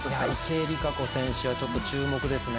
池江璃花子選手は注目ですね。